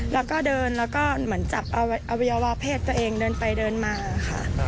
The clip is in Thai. แล้วก็เดินแล้วก็เหมือนจับอวัยวะเพศตัวเองเดินไปเดินมาค่ะ